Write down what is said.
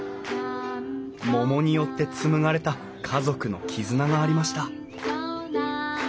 桃によって紡がれた家族の絆がありました。